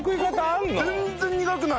全然苦くない！